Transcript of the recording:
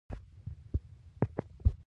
د احمدشاه ابدالي یرغل د هندوستان پزه پرې کړه.